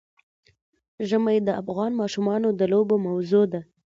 ژمی د افغان ماشومانو د لوبو موضوع ده.